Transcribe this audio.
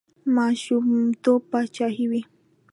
ماشومتوب پاچاهي وي.